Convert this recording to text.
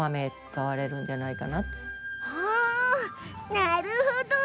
なるほど。